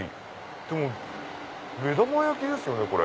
でも目玉焼きですよねこれ。